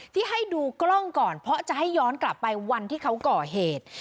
ที่ให้ดูกล้องก่อนเพราะจะให้ย้อนกลับไปวันที่เขาก่อเหตุ